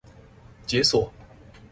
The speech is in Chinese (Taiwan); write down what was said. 解鎖